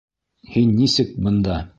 Һин нисек бында?